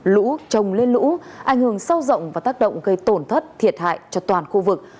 lũ trồng lên lũ ảnh hưởng sâu rộng và tác động gây tổn thất thiệt hại cho toàn khu vực